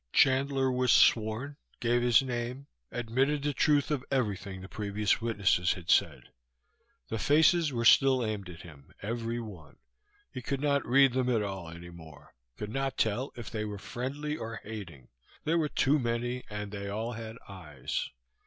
Chandler was sworn, gave his name, admitted the truth of everything the previous witnesses had said. The faces were still aimed at him, every one. He could not read them at all any more, could not tell if they were friendly or hating, there were too many and they all had eyes.